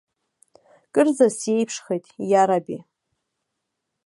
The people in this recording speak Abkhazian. Кырӡа сиеиԥшхеит, иараби.